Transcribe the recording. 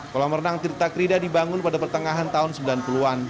kolam renang tirta krida dibangun pada pertengahan tahun sembilan puluh an